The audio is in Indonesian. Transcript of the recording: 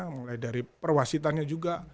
mulai dari perwasitannya juga